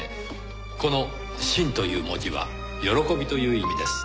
この「欣」という文字は喜びという意味です。